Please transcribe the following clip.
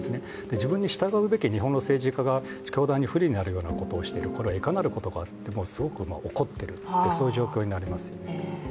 自分に従うべき日本の政治家が、教団に不利になるようなことを指示しているこれはいかなることかとすごく怒っている状況になりますよね。